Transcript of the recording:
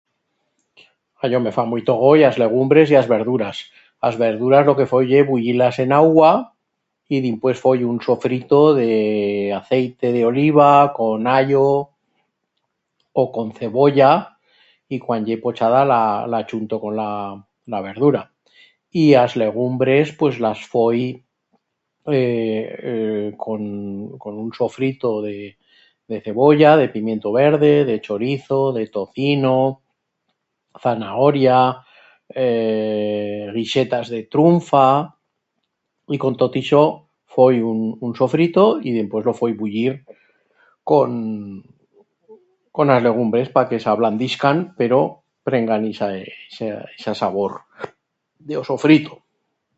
A yo me fan muito goi as legumbres y as verduras. As verduras lo que foi ye bullir-las en augua y dimpués foi un sofrito de... aceite de oliva con allo u con cebolla y cuan ye pochada la la achunto con la... la verdura. Y as legumbres pues las foi ee ee con... con un sofrito de... de cebolla, de pimiento verde, de chorizo, de tocino, zanahoria, ee guixetas de trunfa y con tot ixo foi un sofrito y dimpués lo foi bullir con... con as legumbres pa que s'ablandeixcan pero prengan ixa... ixe... ixa sabor d'o sofrito.